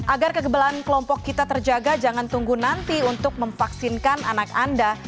agar kegebelan kelompok kita terjaga jangan tunggu nanti untuk memvaksinkan anak anda